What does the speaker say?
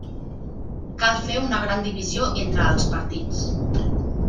Cal fer una gran divisió entre els partits.